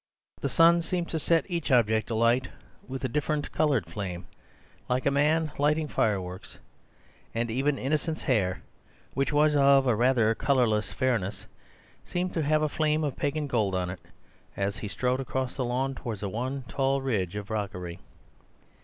The sun seemed to set each object alight with a different coloured flame, like a man lighting fireworks; and even Innocent's hair, which was of a rather colourless fairness, seemed to have a flame of pagan gold on it as he strode across the lawn towards the one tall ridge of rockery.